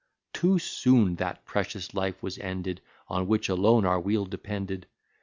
Too soon that precious life was ended, On which alone our weal depended.